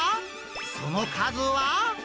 その数は？